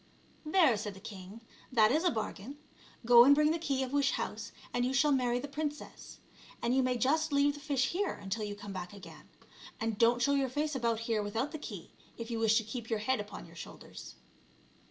*'" There," said the king, " that is a bargain ; go and bring the key of wish house and you shall marry the princess; and you may just leave the fish here until you come back again. And don't show your face about here without the key, if you wish to keep your head upon your shoulders."